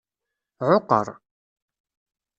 Ɛuqqer.